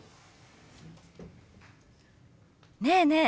ねえねえ